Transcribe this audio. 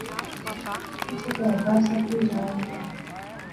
پچھے کہر بار، سب کی اُجاڑ ہو گیا